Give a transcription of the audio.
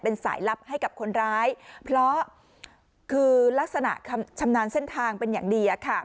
เป็นสายลับให้กับคนร้ายเพราะคือลักษณะคำชำนาญเส้นทางเป็นอย่างดีอะค่ะ